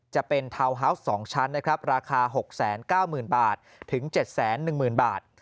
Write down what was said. จะเป็นทาวน์ฮาวส์๒ชั้นนะครับราคา๖๙๐๐๐บาทถึง๗๑๐๐๐บาท